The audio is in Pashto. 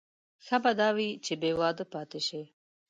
ښه به دا وي چې بې واده پاتې شي.